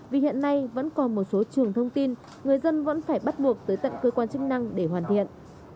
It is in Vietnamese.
vì hiện nay vẫn còn một số trường thông tin người dân vẫn phải bắt buộc tới tận cơ quan chức năng để hoàn thiện